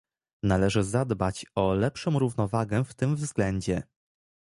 Należy zadbać o lepszą równowagę w tym względzie